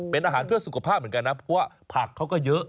เป็นอาหารเพื่อสุขภาพเหมือนกันนะเพราะว่าผักเขาก็เยอะ